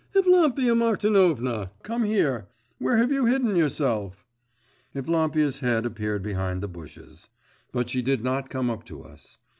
Evlampia Martinovna, come here. Where have you hidden yourself?' Evlampia's head appeared behind the bushes. But she did not come up to us.